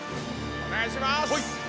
お願いします！